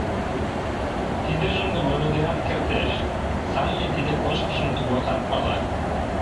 Тидыжым гын ойлыдеат кертеш, Салли тиде кочкышым тугакат пала!